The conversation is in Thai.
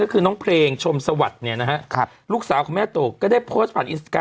ก็คือน้องเพลงชมสวัสดิ์เนี่ยนะฮะลูกสาวของแม่ตู่ก็ได้โพสต์ผ่านอินสตาแ